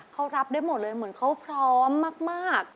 เขารับได้หมดเลยเหมือนเขาพร้อมมาก